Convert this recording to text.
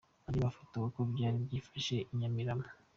Andi mafoto uko byari byifashe i Nyamirama .